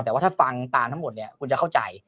แต่ว่าถ้าฟังตามทั้งหมดเนี่ยคุณจะเข้าใจ